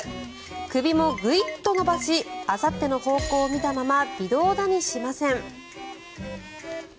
首もグイッと伸ばしあさっての方向を見たまま微動だにしません。